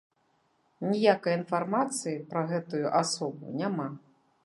Ніякай інфармацыі пра гэтую асобу няма.